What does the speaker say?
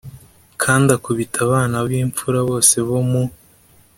kandi akubita abana b imfura bose bo mu